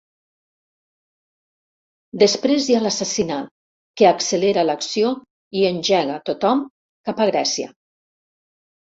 Després hi ha l'assassinat, que accelera l'acció i engega tothom cap a Grècia.